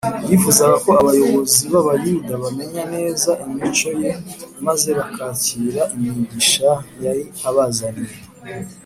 yifuzaga ko abayobozi b’Abayuda bamenya neza imico Ye maze bakakira imigisha yari abazaniye